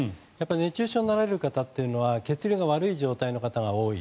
熱中症になられる方っていうのは血流の悪い方が多い。